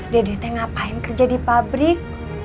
dede teh ngapain kerja di pabrik